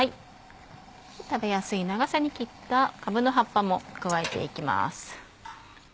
食べやすい長さに切ったかぶの葉っぱも加えていきます。